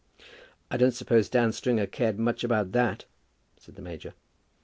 "I don't suppose Dan Stringer cared much about that," said the major.